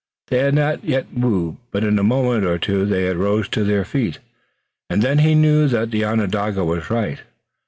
They had not yet moved, but in a moment or two they too rose to their feet, and then he knew that the Onondaga was right.